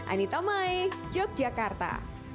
anita mai yogyakarta